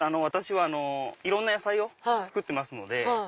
私はいろんな野菜を作ってますので。